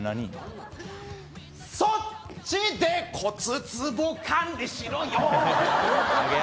そっちで骨つぼ管理しろよ！